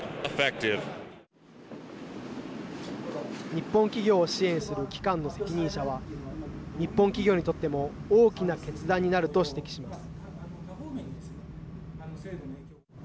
日本企業を支援する機関の責任者は日本企業にとっても大きな決断になると指摘します。